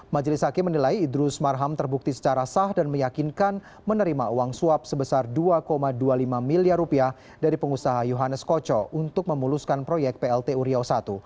majelis hakim menilai idrus marham terbukti secara sah dan meyakinkan menerima uang suap sebesar dua dua puluh lima miliar rupiah dari pengusaha yohanes koco untuk memuluskan proyek plt uriau i